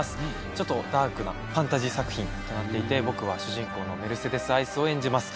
ちょっとダークなファンタジー作品となっていて僕は主人公のメルセデス・アイスを演じます。